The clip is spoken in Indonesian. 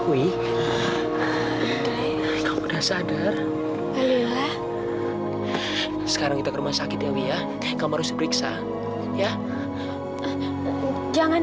wi kamu udah sadar lila sekarang kita ke rumah sakit ya wi ya kamu harus beriksa ya jangan